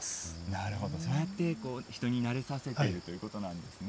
なるほど、そうやって人になれさせているということなんですね。